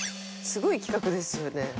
すごい企画ですよね。